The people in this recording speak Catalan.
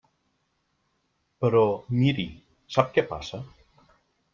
Però, miri, sap què passa?